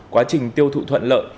quá trình tiêu thụ thuận lợi